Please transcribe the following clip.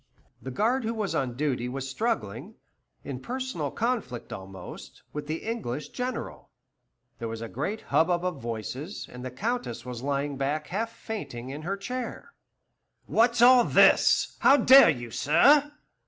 The guard who was on duty was struggling, in personal conflict almost, with the English General. There was a great hubbub of voices, and the Countess was lying back half fainting in her chair. "What's all this? How dare you, sir?"